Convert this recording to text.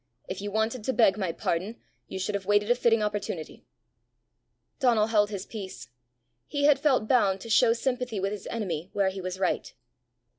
If you wanted to beg my pardon, you should have waited a fitting opportunity!" Donal held his peace. He had felt bound to show sympathy with his enemy where he was right.